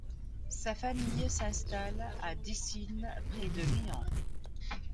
Sa famille s'installe à Décines, près de Lyon.